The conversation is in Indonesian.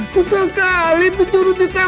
sesekali pencurun kita